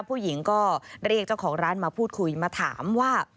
ผู้หญิงก็เรียกเจ้าของร้านมาพูดคุยมาถามว่า